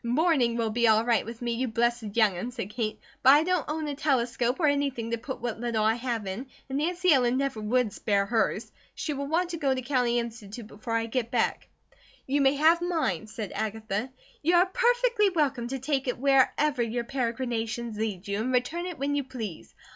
"Morning will be all right with me, you blessed youngun," said Kate, "but I don't own a telescope or anything to put what little I have in, and Nancy Ellen never would spare hers; she will want to go to County Institute before I get back." "You may have mine," said Agatha. "You are perfectly welcome to take it wherever your peregrinations lead you, and return it when you please.